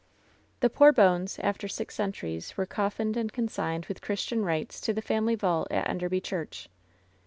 The poor bones, after six centuries, were coflBned and consigned, with Christian rites, to the family vault at Enderby Church.